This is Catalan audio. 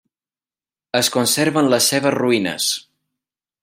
Es conserven les seves ruïnes.